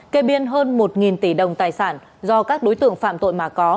kê biên hơn một tỷ đồng tài sản do các đối tượng phạm tội mà có